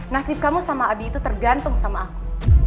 nasib kamu sama abi itu tergantung sama aku